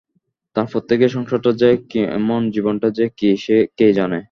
তারপর থেকে সংসারটা যে কেমন, জীবনটা যে কী, কে জানে!